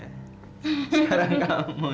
sekarang kamu senyum ya